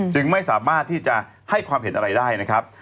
จึงไม่สามารถที่จะให้ความเห็นอะไรได้นะครับ